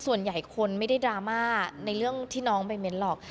ส่วนใหญ่คนไม่ได้ดราม่าในเรื่องที่น้องไปเม้นหรอก